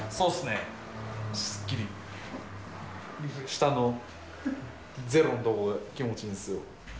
下のゼロのところが気持ちいいんですよ。